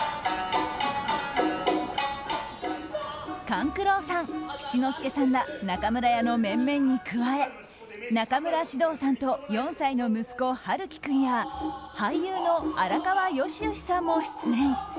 勘九郎さん、七之助さんら中村屋の面々に加え中村獅童さんと４歳の息子、陽喜君や俳優・荒川良々さんも出演。